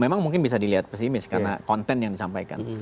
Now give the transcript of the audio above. memang mungkin bisa dilihat pesimis karena konten yang disampaikan